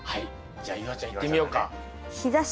じゃあ夕空ちゃんいってみようか。